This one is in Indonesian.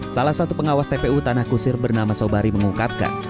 salah satu pengawas tpu tanah kusir bernama sobari mengungkapkan